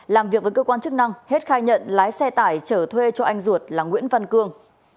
làm việc với cơ quan chức năng hết khai nhận lái xe tải chở thuê cho anh ruột là nguyễn văn cương